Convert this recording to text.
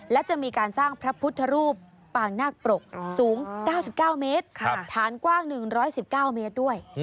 และจะมีการสร้างพระพุทธรูปปางนาคปรกสูง๙๙เมตรฐานกว้าง๑๑๙เมตรด้วย